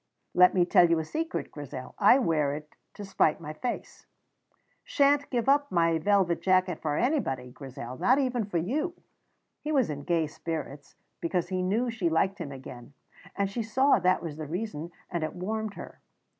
Let me tell you a secret, Grizel: I wear it to spite my face. Sha'n't give up my velvet jacket for anybody, Grizel; not even for you." He was in gay spirits, because he knew she liked him again; and she saw that was the reason, and it warmed her.